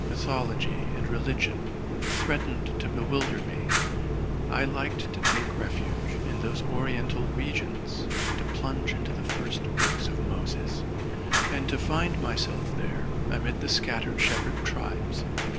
mythology and religion, threat ened to bewilder me, —I liked to take refuge in those Oriental regions, to plunge into the first books of Moses, and to find myself there, amid the seattered shepherd tribes.